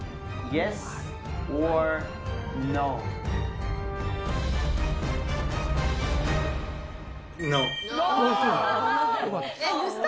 よかった。